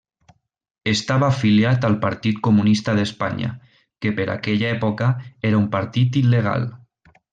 Estava afiliat al Partit Comunista d'Espanya, que per aquella època era un partit il·legal.